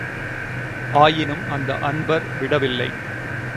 ஆயினும் அந்த அன்பர் விடவில்லை.